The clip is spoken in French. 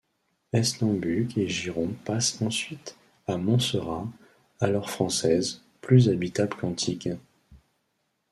Esnambuc et Giron passent ensuite à Montserrat, alors française, plus habitable qu'Antigue.